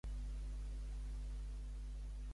Feliços els nets de cor, perquè posseiran la terra.